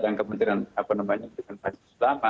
dan kementerian apa namanya dengan proses lama